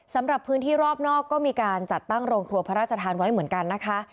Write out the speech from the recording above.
สำหรับพื้นที่รอบนอกก็มีการจัดตั้งโรงครัวพระราชทานไว้เหมือนกันนะคะ